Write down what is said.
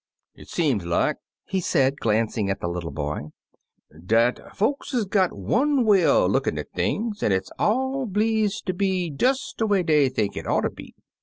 "It seem like," he said, glancing at the little boy, "dat folks is got one way er lookin' at things, an' it's all bleeze ter be des de way dey think it oughter be.